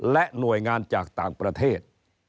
และหน่วยงานจากต่างประเทศ